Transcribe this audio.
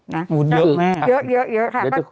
เยอะมากเยอะค่ะ